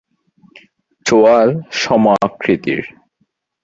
চোয়াল সম-আকৃতির।